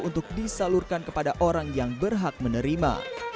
untuk disalurkan kepada orang yang berhak menerima